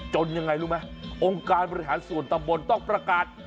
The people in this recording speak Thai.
ยังไงรู้ไหมองค์การบริหารส่วนตำบลต้องประกาศ